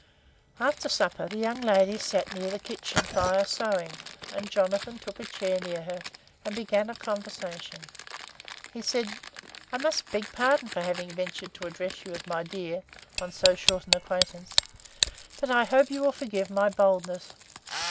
"After supper the young lady sat near the kitchen fire sewing, and Jonathan took a chair near her and began a conversation. He said: "I must beg pardon for having ventured to address you as 'my dear,' on so short an acquaintance, but I hope you will forgive my boldness.